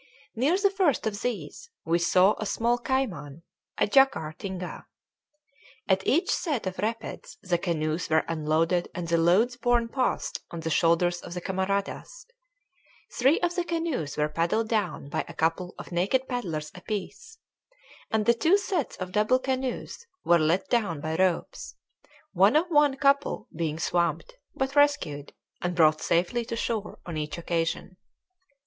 Near the first of these we saw a small cayman, a jacare tinga. At each set of rapids the canoes were unloaded and the loads borne past on the shoulders of the camaradas; three of the canoes were paddled down by a couple of naked paddlers apiece; and the two sets of double canoes were let down by ropes, one of one couple being swamped but rescued and brought safely to shore on each occasion.